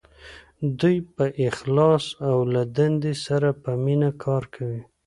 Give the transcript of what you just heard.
دوی په اخلاص او له دندې سره په مینه کار کوي.